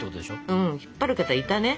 うん引っ張る方いたね。